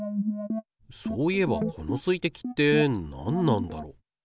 そういえばこの水滴って何なんだろ。